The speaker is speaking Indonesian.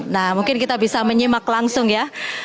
nah mungkin kita bisa menyimak langsung ya